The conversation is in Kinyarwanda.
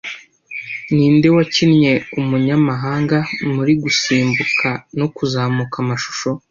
Ninde wakinnye umunyamahanga muri gusimbuka no kuzamuka amashusho